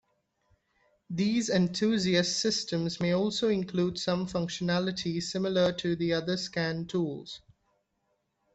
These enthusiast systems may also include some functionality similar to the other scan tools.